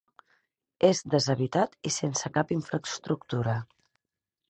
És deshabitat i sense cap infraestructura.